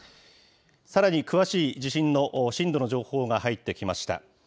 さらに詳しい地震の震度の情報が入ってきました。